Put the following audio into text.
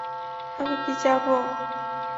আমি কি যাবো?